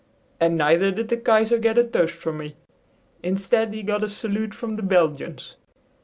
"And neither did the Kaiser get a toast from me! Instead, he got a salute from the Belgians."